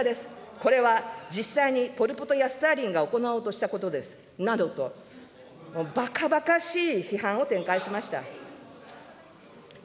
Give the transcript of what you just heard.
これは実際にポル・ポトやスターリンが行おうとしたことですなどと、ばかばかしい批判を展開しました。